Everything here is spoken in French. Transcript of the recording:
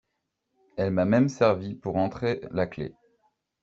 Elle m’a même servi pour entrer, la clef !